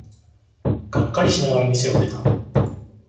がっかりしながら店を出た。